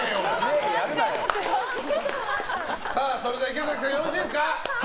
池崎さん、よろしいですか？